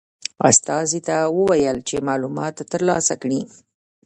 استازي ته وویل چې معلومات ترلاسه کړي.